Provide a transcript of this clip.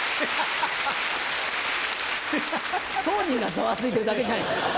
当人がざわついてるだけじゃないですか。